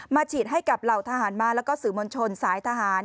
ฉีดให้กับเหล่าทหารม้าแล้วก็สื่อมวลชนสายทหาร